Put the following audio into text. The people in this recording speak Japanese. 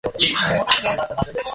さようならまた明日会いましょう